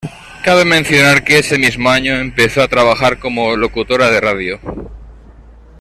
Cabe mencionar que ese mismo año, empezó a trabajar como locutora de radio.